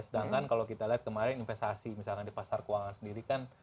sedangkan kalau kita lihat kemarin investasi misalkan di pasar keuangan sendiri kan